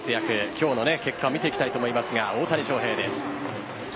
今日の結果を見ていきたいと思いますが大谷翔平です。